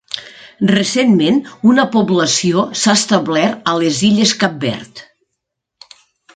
Recentment una població s'ha establert a les Illes Cap Verd.